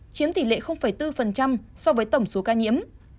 chiếm tỷ lệ bốn so với tổng số ca nhiễm